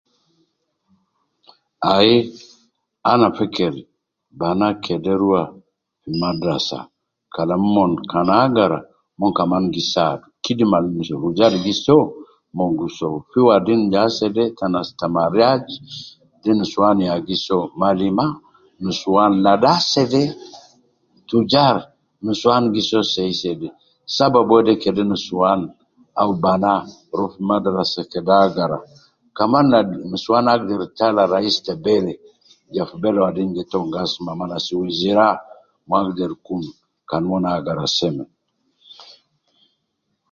Ai, ana feker bana kede rua madrasa Kalam mon kan agara, mon kaman gi saadu kidima al yal gi soo, mon gi soo ,fi wadin je asede ta nas tamaraj de nusuwan ya gi soo, malima nusuwan ladi asede tijar nusuwan gi soo sei sei de sabab wede kede nusuwan au bana kede rua fi madrasa kede agara kaman ladi nusuwan agder tala rais ta bele, je fi bele wadin ab tom gi asuma nusuwan xira min agder kun kan mon agara seme